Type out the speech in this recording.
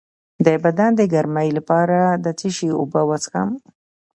د بدن د ګرمۍ لپاره د څه شي اوبه وڅښم؟